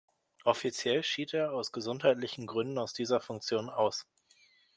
Offiziell schied er aus gesundheitlichen Gründen aus dieser Funktion aus.